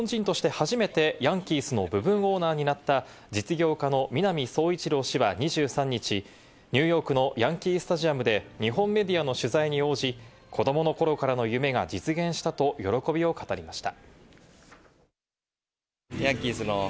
日本人として初めてヤンキースの部分オーナーになった実業家の南壮一郎氏は２３日、ニューヨークのヤンキースタジアムで、日本メディアの取材に応じ、子供の頃からの夢が実現したと喜びを語りました。